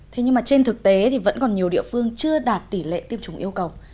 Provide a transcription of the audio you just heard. thế nhưng mà trên thực tế thì vẫn còn nhiều địa phương chưa đạt tỷ lệ tiêm chủng yêu cầu